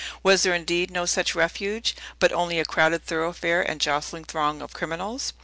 Was there, indeed, no such refuge, but only a crowded thoroughfare and jostling throng of criminals?